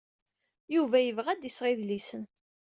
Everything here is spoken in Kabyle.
Yuba yebɣa ad d-iseɣ idlisen.